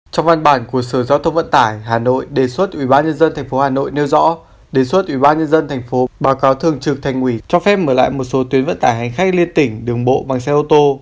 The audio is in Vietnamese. trong văn bản của sở giao thông vận tải hà nội đề xuất ubnd tp hà nội nêu rõ đề xuất ubnd tp báo cáo thường trực thành quỷ cho phép mở lại một số tuyến vận tải hành khách liên tỉnh đường bộ bằng xe ô tô